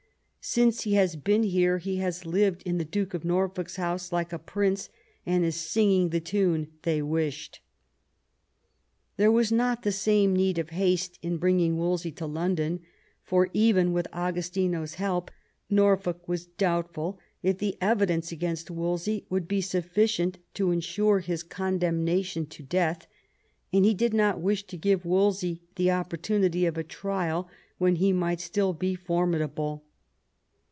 Since he has been here he has lived in the Duke of Norfolk's house like a prince, and is singing the tune they wished." There was not the same need of haste in bringing Wolsey to London, for even with Agostino's help Norfolk was doubtful if the evidence against Wolsey would be sufficient to ensure his condemnation to death ; and he did not wish to give Wolsey the opportunity of a trial when he might still be formidable.